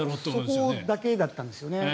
そこだけなんですよね。